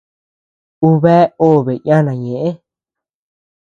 Un bea obe yana ñeʼë.